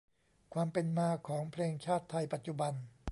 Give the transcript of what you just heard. ความเป็นมาของเพลงชาติไทยปัจจุบัน